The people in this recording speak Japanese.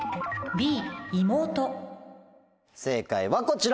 正解はこちら。